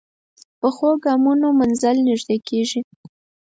پخو ګامونو منزل نږدې کېږي